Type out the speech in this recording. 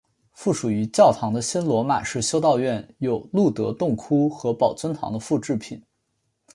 附属于教堂的新罗马式修道院有露德洞窟和宝尊堂的复制品。